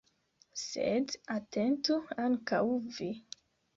Sed atentu ankaŭ vi.